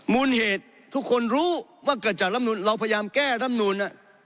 มูลเหตุทุกคนรู้ว่าเกิดจากลำนูนเราพยายามแก้ร่ำนูน